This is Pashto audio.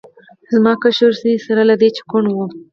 زما کشر زوی سره له دې چې کوڼ و.